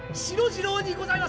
次郎にございます！